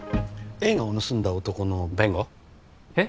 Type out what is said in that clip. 映画を盗んだ男の弁護？へ？